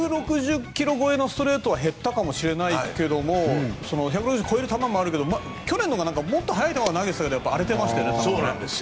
１６０ｋｍ超えのストレートは減ったかもしれないけども１６０ｋｍ超える球もあるけど去年はもっと速い球を投げてましたけど荒れてましたよね。